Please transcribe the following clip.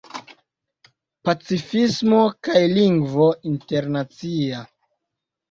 Pacifismo kaj Lingvo Internacia.